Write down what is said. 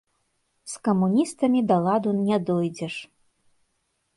З камуністамі да ладу не дойдзеш.